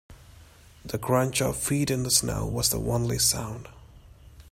The crunch of feet in the snow was the only sound.